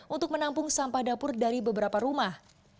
untuk menampung sampah dapur dari beberapa rumah